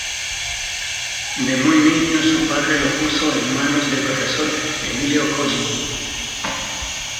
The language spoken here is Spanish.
De muy niño su padre lo puso en manos del profesor Emilio Collin.